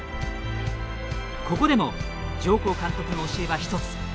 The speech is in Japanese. ここでも上甲監督の教えは一つ。